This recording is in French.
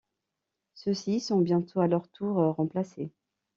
Ceux-ci sont bientôt à leur tour remplacés.